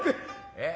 えっ？